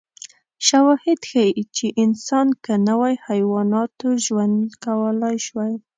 شواهد ښيي چې انسان که نه وای، حیواناتو ژوند کولای شوی.